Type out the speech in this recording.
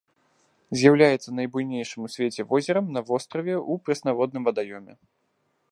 З'яўляецца найбуйнейшым у свеце возерам на востраве ў прэснаводным вадаёме.